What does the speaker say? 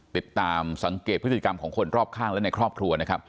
ติดตามสังเกตพฤติกรรมของคนรอบข้างและในครอบครัวนะครับ